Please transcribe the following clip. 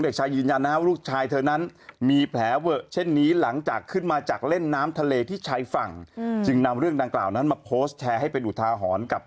มายกันไปตามน้ำเหล้หรอ